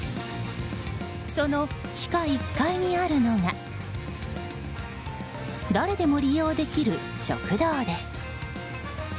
その地下１階にあるのが誰でも利用できる食堂です。